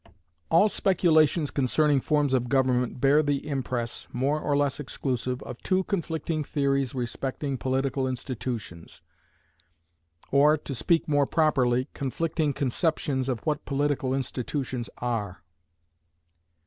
All speculations concerning forms of government bear the impress, more or less exclusive, of two conflicting theories respecting political institutions; or, to speak more properly, conflicting conceptions of what political institutions are.